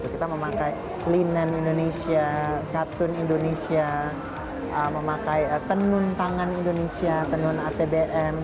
kita memakai linen indonesia katun indonesia memakai tenun tangan indonesia tenun atbm